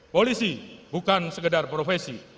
polisi bukan sekedar profesi